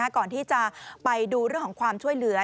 ก่อนที่จะไปดูเรื่องของความช่วยเหลือ